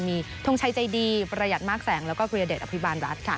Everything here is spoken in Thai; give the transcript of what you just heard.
มีทงชัยใจดีประหยัดมากแสงแล้วก็วิรเดชอภิบาลรัฐค่ะ